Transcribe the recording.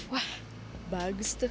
wah bagus tuh